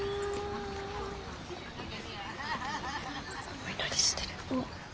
お祈りしてる。